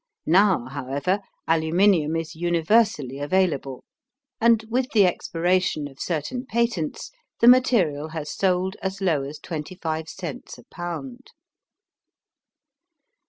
Now, however, aluminum is universally available and with the expiration of certain patents, the material has sold as low as 25 cents a pound.